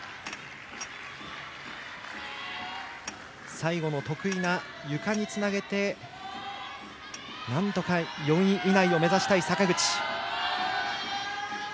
最後の得意なゆかにつなげてなんとか４位以内を目指したい坂口。